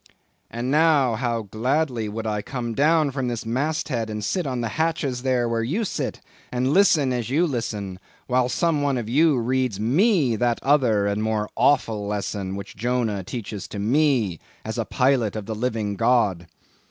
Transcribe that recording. And now how gladly would I come down from this mast head and sit on the hatches there where you sit, and listen as you listen, while some one of you reads me that other and more awful lesson which Jonah teaches to me, as a pilot of the living God.